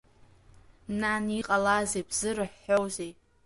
Нан, иҟалазеи, бзырҳәҳәозеи?